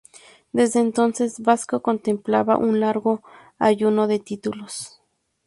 Desde entonces Vasco contempla un largo ayuno de títulos.